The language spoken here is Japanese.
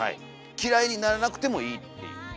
嫌いにならなくてもいいっていうそしたら。